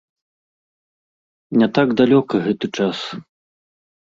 Не так далёка гэты час.